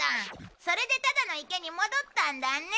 それでただの池に戻ったんだね。